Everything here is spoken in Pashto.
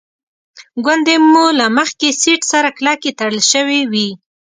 ګونډې مو له مخکې سیټ سره کلکې تړل شوې وې.